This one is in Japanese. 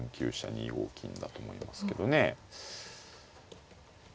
２五金だと思いますけどね。